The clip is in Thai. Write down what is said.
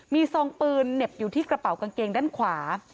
มีซองปืนเหน็บอยู่ที่กระเป๋ากางเกงด้านขวา